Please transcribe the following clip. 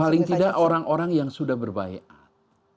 paling tidak orang orang yang sudah berbayar